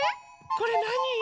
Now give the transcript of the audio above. これなに？